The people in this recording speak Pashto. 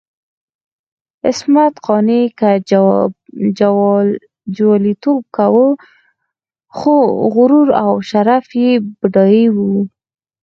عصمت قانع که جواليتوب کاوه، خو غرور او شرف یې بډای وو.